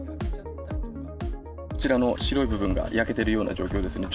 こちらの白い部分が焼けているような状況ですね。